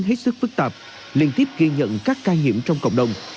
rất phức tạp liên tiếp ghi nhận các ca nhiễm trong cộng đồng